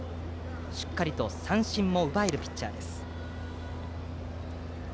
しっかりと三振も奪えるピッチャーです。